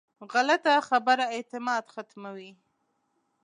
غلطه خبره اعتماد ختموي